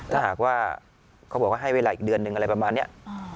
ถ้าหากว่าเขาบอกว่าให้เวลาอีกเดือนหนึ่งอะไรประมาณนี้